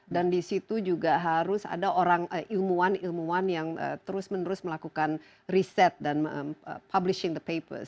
dan di situ juga harus ada orang ilmuwan ilmuwan yang terus menerus melakukan riset dan publishing the papers